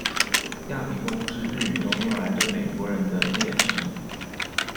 亚米公是日语中用来对美国人的蔑称。